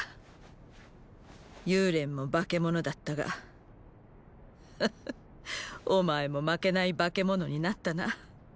幽連も化物だったがフフッお前も負けない化物になったな。